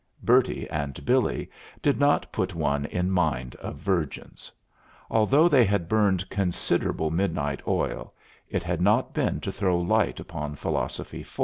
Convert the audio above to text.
Bertie and Billy did not put one in mind of virgins: although they had burned considerable midnight oil, it had not been to throw light upon Philosophy 4.